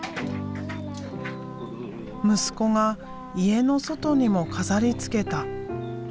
息子が家の外にも飾りつけた。